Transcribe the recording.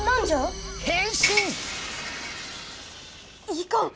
いかん！